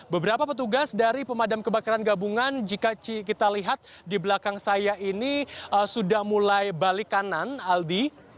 beberapa petugas dari pemadam kebakaran gabungan jika kita lihat di belakang saya ini sudah mulai balik kanan aldi